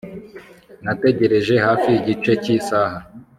Nategereje hafi igice cyisaha